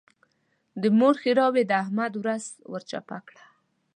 د مور ښېراوو د احمد ورځ ور چپه کړه.